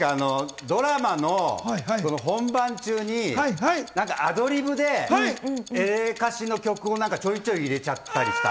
ドラマの本番中にアドリブでエレカシの歌詞をちょいちょい入れちゃったりした。